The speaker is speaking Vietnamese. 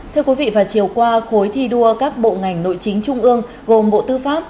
thưa quý vị và chiều qua khối thi đua các bộ ngành nội chính trung ương gồm bộ tư pháp